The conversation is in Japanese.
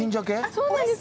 そうなんです。